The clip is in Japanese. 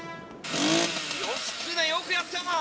「義経よくやった！